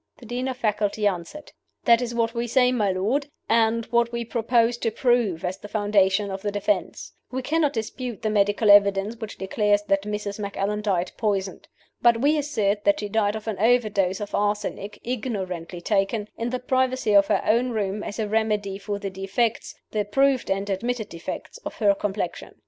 The Dean of Faculty answered: "That is what we say, my lord, and what we propose to prove as the foundation of the defense. We cannot dispute the medical evidence which declares that Mrs. Macallan died poisoned. But we assert that she died of an overdose of arsenic, ignorantly taken, in the privacy of her own room, as a remedy for the defects the proved and admitted defects of her complexion.